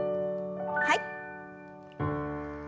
はい。